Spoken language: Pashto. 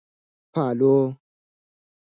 Follow